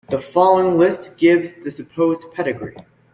The following list gives the supposed pedigree.